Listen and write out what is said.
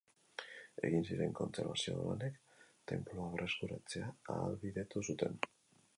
Egin ziren kontserbazio lanek, tenplua berreskuratzea ahalbidetu zuten.